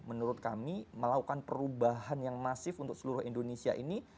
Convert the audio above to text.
menurut kami melakukan perubahan yang masif untuk seluruh indonesia ini